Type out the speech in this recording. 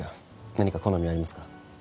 何か好みありますか？